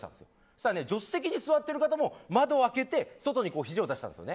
そしたら助手席に座ってる方も窓を開けて外にひじを出したんです。